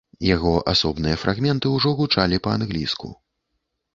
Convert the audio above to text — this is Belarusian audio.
Яго асобныя фрагменты ўжо гучалі па-англійску.